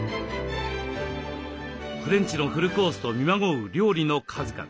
フレンチのフルコースと見まごう料理の数々。